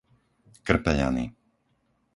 Krpeľany